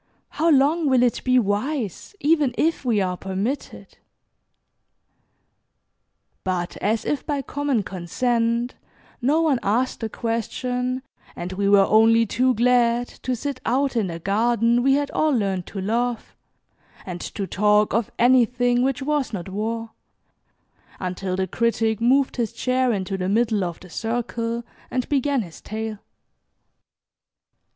How long will it be wise, even if we are permitted?" But, as if by common consent, no one asked the question, and we were only too glad to sit out in the garden we had all learned to love, and to talk of anything which was not war, until the Critic moved his chair into the middle of the circle, and began his tale.